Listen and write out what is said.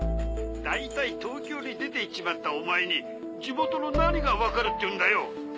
だいたい東京に出て行っちまったお前に地元の何がわかるっていうんだよ。